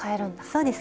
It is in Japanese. そうです。